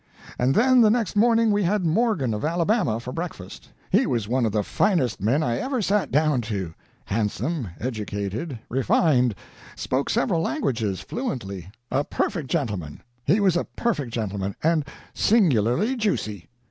And then the next morning we had Morgan of Alabama for breakfast. He was one of the finest men I ever sat down to handsome, educated, refined, spoke several languages fluently a perfect gentleman he was a perfect gentleman, and singularly juicy.